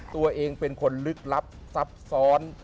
ตัวเองเป็นคนลึกลับซับซ้อน